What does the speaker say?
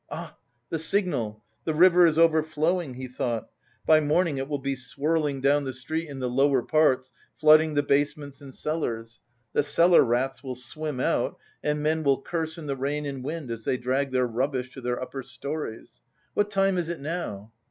"Ah, the signal! The river is overflowing," he thought. "By morning it will be swirling down the street in the lower parts, flooding the basements and cellars. The cellar rats will swim out, and men will curse in the rain and wind as they drag their rubbish to their upper storeys. What time is it now?"